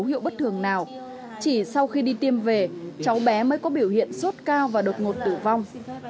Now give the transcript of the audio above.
dấu hiệu bất thường nào chỉ sau khi đi tiêm về cháu bé mới có biểu hiện sốt cao và đột ngột tử vong